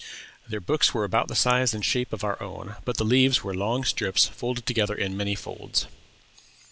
Their books were about the size and shape of our own, but the leaves were long strips folded together in many folds.